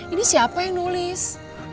ini siapa yang nulis